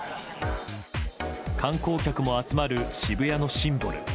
観光客も集まる渋谷のシンボル